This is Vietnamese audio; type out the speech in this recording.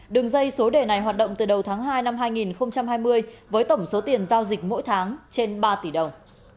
đường dây số đề này hoạt động từ đầu tháng hai năm hai nghìn hai mươi với tổng số tiền giao dịch mỗi tháng trên ba tỷ đồng